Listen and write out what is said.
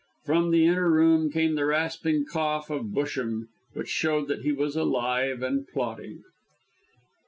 From the inner room came the rasping cough of Busham, which showed that he was alive and plotting.